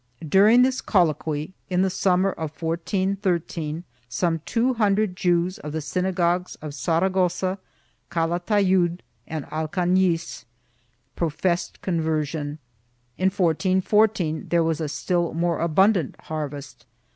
1 During this colloquy, in the summer of 1413, some two hundred Jews of the synagogues of Saragossa, Calatayud and Alcaiiiz professed conversion. In 1414 there was a still more abundant harvest.